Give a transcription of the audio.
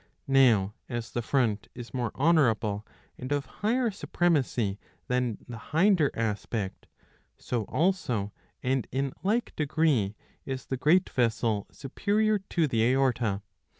Now as the front is more honourable and of higher supremacy than the hinder aspect, so also and in like degree is the great vessel superior to the aorta.